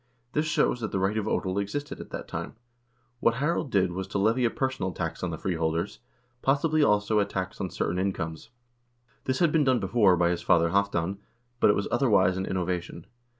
This shows that the right of odel existed at that time. What Harald did was to levy a personal tax on the freeholders, possibly, also, a tax on certain incomes. This had been done before by his father Halvdan, but it was otherwise an innovation.